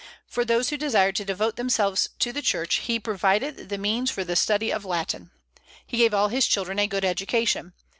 For those who desired to devote themselves to the Church, he provided the means for the study of Latin. He gave all his children a good education.